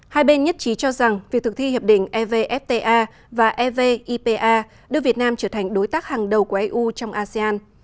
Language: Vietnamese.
hai bên nhất trí cho rằng việc thực thi hiệp định evfta và evipa đưa việt nam trở thành đối tác hàng đầu của eu trong asean